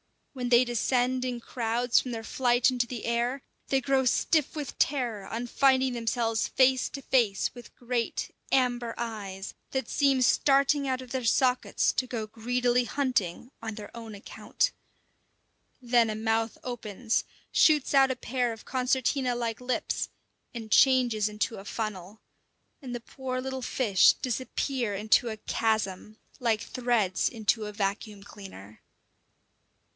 When they descend in crowds from their flight into the air, they grow stiff with terror on finding themselves face to face with great, amber eyes that seem starting out of their sockets to go greedily hunting on their own account. Then a mouth opens, shoots out a pair of concertina like lips, and changes into a funnel; and the poor little fish disappear into a chasm, like threads into a vacuum cleaner.